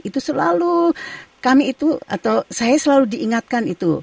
itu selalu kami itu atau saya selalu diingatkan itu